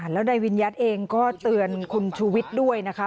แล้วนายวิญญัติเองก็เตือนคุณชูวิทย์ด้วยนะคะ